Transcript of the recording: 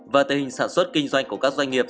và tình hình sản xuất kinh doanh của các doanh nghiệp